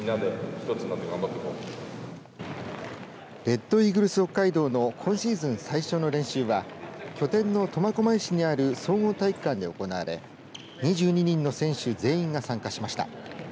レッドイーグルス北海道の今シーズン最初の練習は拠点の苫小牧市にある総合体育館で行われ２２人の選手全員が参加しました。